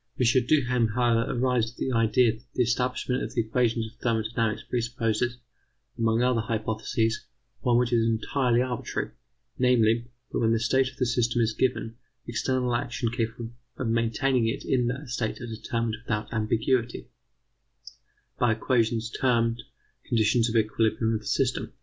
M. Duhem, however, arrives at the idea that the establishment of the equations of thermodynamics presupposes, among other hypotheses, one which is entirely arbitrary, namely: that when the state of the system is given, external actions capable of maintaining it in that state are determined without ambiguity, by equations termed conditions of equilibrium of the system.